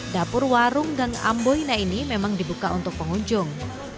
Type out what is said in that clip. dapur warung gang amboina ini memang dibuka untuk pengunjung